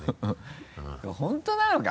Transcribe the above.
本当なのか？